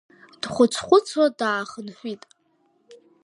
Дхәыц-хәыцуа даахынҳәит.